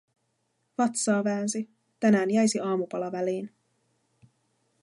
Vatsaa väänsi, tänään jäisi aamupala väliin.